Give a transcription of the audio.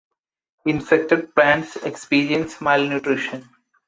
Infected plants experience malnutrition.